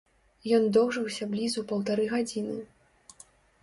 Ён доўжыўся блізу паўтары гадзіны.